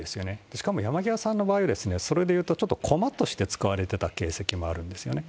しかも山際さんの場合は、それでいうと、ちょっと駒として使われてた形跡もあるんですよね。